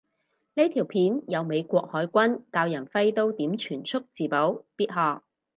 呢條片有美國海軍教有人揮刀點全速自保，必學